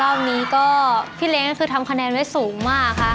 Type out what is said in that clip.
รอบนี้ก็พี่เล้งคือทำคะแนนไว้สูงมากค่ะ